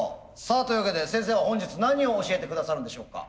さあというわけで先生は本日何を教えて下さるんでしょうか？